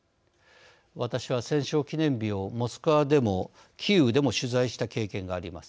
私は戦勝記念日をモスクワでもキーウでも取材した経験があります。